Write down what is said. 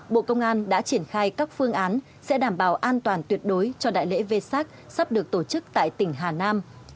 bộ công an đã triển khai các phương án sẽ đảm bảo an toàn tuyệt đối cho đại lễ v sac sắp được tổ chức tại tỉnh hà nam